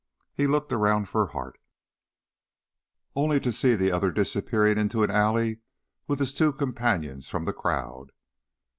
He looked around for Hart, only to see the other disappearing into an alley with his two companions from the crowd.